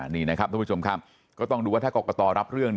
นี่นะครับทุกผู้ชมครับก็ต้องดูว่าถ้ากรกตรับเรื่อง